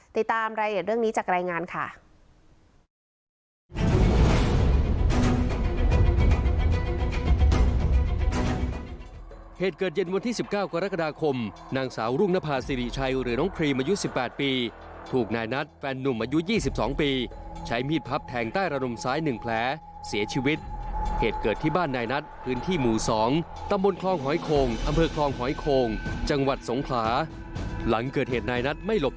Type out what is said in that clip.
ติดตามรายละเอียดเรื่องนี้จากรายงานค่ะ